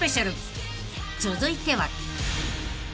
［続いては］